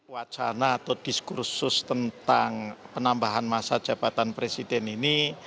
wacana atau diskursus tentang penambahan masa jabatan presiden ini